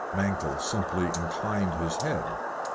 Mankell simply inclined his head.